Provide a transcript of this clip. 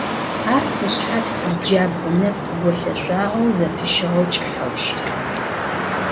Ар Къушъхьэпс иджабгъу нэпкъ голъэшъуагъэу зэпыщыгъэу кӀыхьэу щыс.